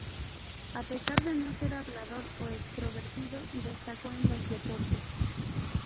A pesar de no ser hablador o extrovertido, destacó en los deportes.